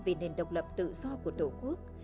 vì nền độc lập tự do của tổ quốc